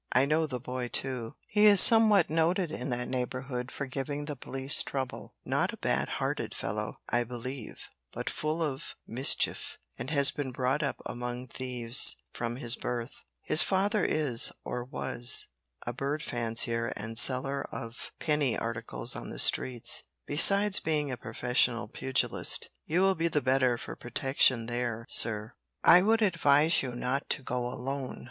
I know the boy too. He is somewhat noted in that neighbourhood for giving the police trouble. Not a bad hearted fellow, I believe, but full of mischief, and has been brought up among thieves from his birth. His father is, or was, a bird fancier and seller of penny articles on the streets, besides being a professional pugilist. You will be the better for protection there, sir. I would advise you not to go alone.